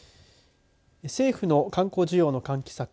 政府の観光需要の喚起策